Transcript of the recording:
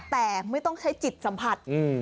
แต่ไม่ต้องใช้จิตสัมผัส